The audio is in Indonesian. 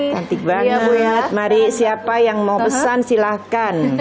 cantik banget mari siapa yang mau pesan silahkan